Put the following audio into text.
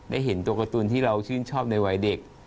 เห็นตัวการ์ตูนที่เราชื่นชอบในวัยเด็ก